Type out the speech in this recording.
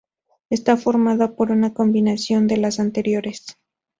Está formada por una combinación de las anteriores.